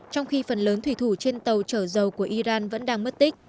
trong khi phần lớn thủy thủ trên tàu trở dầu của iran vẫn đang mất tích